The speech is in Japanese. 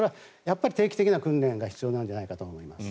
定期的な訓練が必要なんじゃないかと思います。